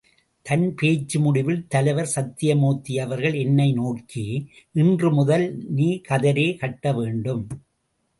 தன் பேச்சு முடிவில் தலைவர் சத்யமூர்த்தி அவர்கள் என்னை நோக்கி, இன்று முதல் நீ கதரே கட்ட வேண்டும்.